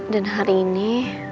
dan hari ini